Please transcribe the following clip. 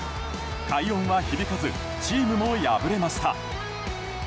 快音は響かずチームも敗れました。